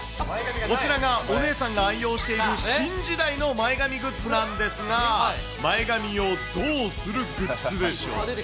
こちらがお姉さんが愛用している新時代の前髪グッズなんですが、前髪をどうするグッズでしょうか。